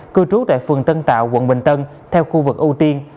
cư trú tại phường tân tạo quận bình tân theo khu vực ưu tiên